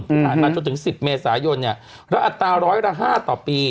หลายมาจนถึงสิบเมษายนเนี่ยเลอฏาร้อยละห้าต่อปี